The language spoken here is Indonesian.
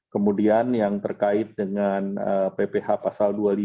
kemudian yang terkait dengan pph pasal dua puluh lima